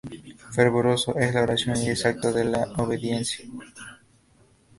Fervoroso en la oración y exacto en la obediencia.